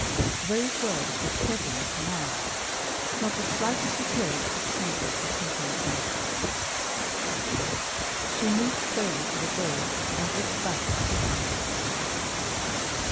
Those words were steadily pronounced; not the slightest appearance of temper accompanied them. She moved slowly to the door and looked back at Sydney.